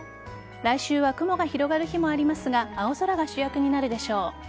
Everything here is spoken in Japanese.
来週は雲が広がる日もありますが青空が主役になるでしょう。